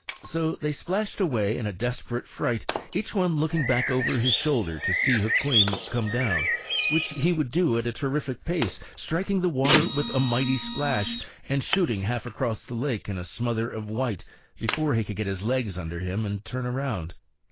So they splashed away in a desperate fright, each one looking back over his shoulder to see Hukweem come down, which he would do at a terrific pace, striking the water with a mighty splash, and shooting half across the lake in a smother of white, before he could get his legs under him and turn around.